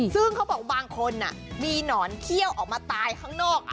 ซึ่งเขาบอกบางคนมีหนอนเขี้ยวออกมาตายข้างนอก